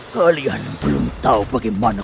kalian belum tahu bagaimana